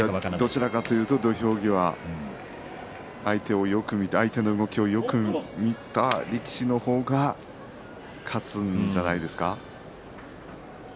どちらかというと土俵際相手の動きをよく見た力士の方が勝つんじゃないですか。